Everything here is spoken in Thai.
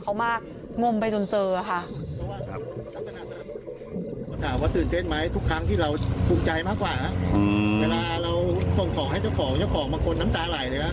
เวลาเราส่งของให้เจ้าของเจ้าของบางคนน้ำตาไหลเลยครับ